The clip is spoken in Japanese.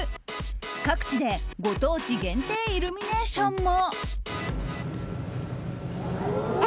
各地でご当地限定イルミネーションも。